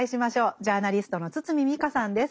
ジャーナリストの堤未果さんです。